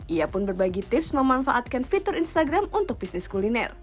ia pun berbagi tips memanfaatkan fitur instagram untuk bisnis kuliner